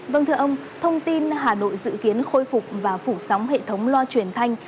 vâng thưa ông thông tin hà nội dự kiến khôi phục và phủ sóng hệ thống loa truyền thanh